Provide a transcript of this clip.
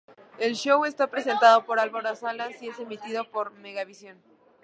El show está presentado por Álvaro Salas y es emitido por Megavisión.